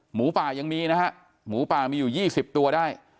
หมูป่ายังมีนะฮะหมูป่ามีอยู่๒๐ตัวได้